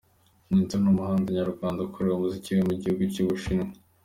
Mento ni umuhanzi nyarwanda ukorera umuziki we mu gihugu cy'u Bushinwa.